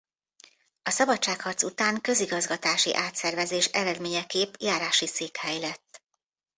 A szabadságharc után közigazgatási átszervezés eredményeképp járási székhely lett.